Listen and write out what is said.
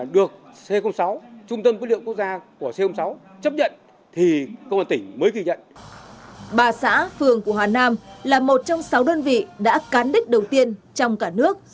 được bộ nguyên liệu quốc gia của c sáu chấp nhận thì công an tỉnh mới kỳ nhận